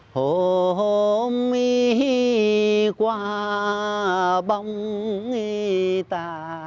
hồn qua bóng tà